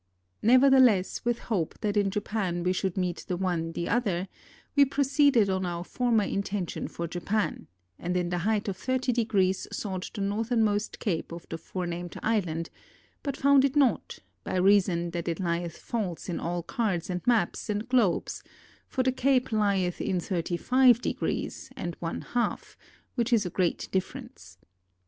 Never theless with hope that in Japan we should meet the one the other, we proceeded on our former intention for Ja pan, and in the height of thirty degrees sought the north ernmost cape of the forenamed island, but found it not by reason that it lieth false in all cards and maps and 32s JAPAN globes; for the cape lieth in thirty five degrees and one half, which is a great difference.